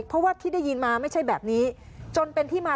เพราะว่าที่ได้ยินมาไม่ใช่แบบนี้จนเป็นที่มา